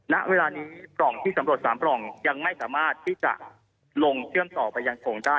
ณเวลานี้ปล่องที่สำรวจ๓ปล่องยังไม่สามารถที่จะลงเชื่อมต่อไปยังคงได้